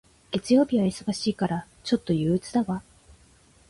月曜日は忙しいから、ちょっと憂鬱だわ。